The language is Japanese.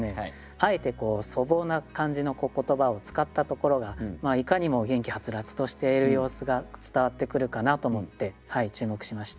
あえて粗暴な感じの言葉を使ったところがいかにも元気はつらつとしている様子が伝わってくるかなと思って注目しました。